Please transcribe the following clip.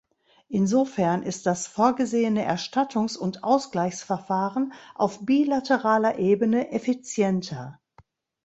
Insofern ist das vorgesehene Erstattungs- und Ausgleichsverfahren auf bilateraler Ebene effizienter.